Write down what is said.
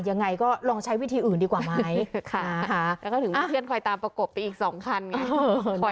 ยังไงก็ลองใช้วิธีอื่นดีกว่าไหมแล้วก็ถึงเพื่อนคอยตามประกบไปอีกสองคันไง